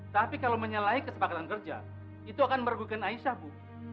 tapi kalau menyalahi kesepakatan kerja itu akan merugikan aisyah bu